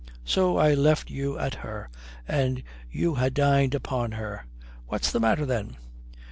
So I left you at her and you ha' dined upon her. What's the matter then?"